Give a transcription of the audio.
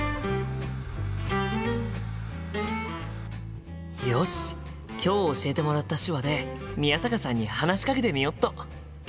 心の声よし今日教えてもらった手話で宮坂さんに話しかけてみよっと！